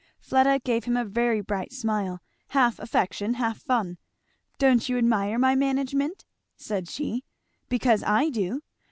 Fleda gave him a very bright smile, half affection, half fun. "Don't you admire my management?" said she. "Because I do.